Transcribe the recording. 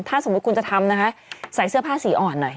ถ้าสมมุติคุณจะทำนะคะใส่เสื้อผ้าสีอ่อนหน่อย